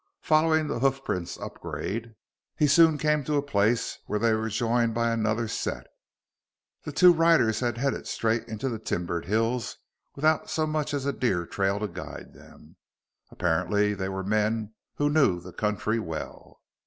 Following the hoofprints upgrade, he soon came to a place where they were joined by another set. The two riders had headed straight into the timbered hills without so much as a deer trail to guide them. Apparently, they were men who knew the country well.